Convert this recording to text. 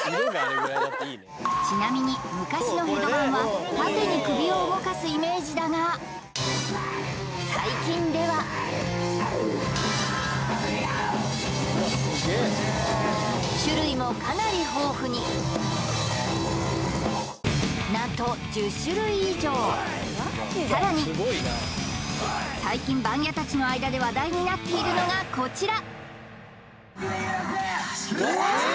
ちなみに昔のヘドバンは縦に首を動かすイメージだが最近では種類もかなり豊富になんと１０種類以上さらに最近バンギャたちの間で話題になっているのがこちら